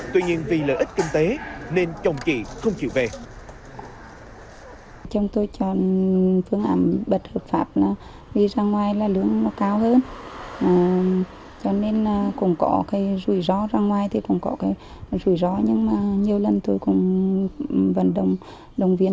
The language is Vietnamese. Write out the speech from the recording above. tuy nhiên vì lợi ích kinh tế nên chồng chị không chịu về